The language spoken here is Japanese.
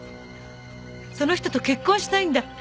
「その人と結婚したいんだ」